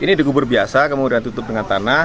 ini dikubur biasa kemudian tutup dengan tanah